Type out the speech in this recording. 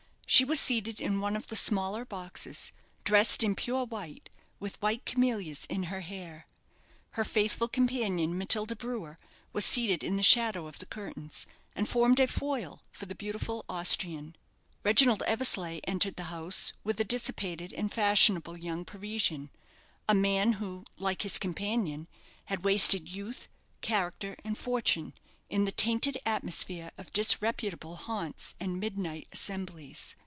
She was seated in one of the smaller boxes, dressed in pure white, with white camellias in her hair. Her faithful companion, Matilda Brewer, was seated in the shadow of the curtains, and formed a foil for the beautiful Austrian. Reginald Eversleigh entered the house with a dissipated and fashionable young Parisian a man who, like his companion, had wasted youth, character, and fortune in the tainted atmosphere of disreputable haunts and midnight assemblies.